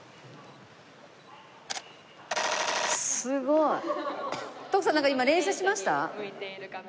すごい！徳さんなんか今連写しました？